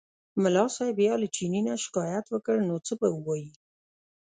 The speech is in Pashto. ملا صاحب بیا له چیني نه شکایت وکړ نو څه به ووایي.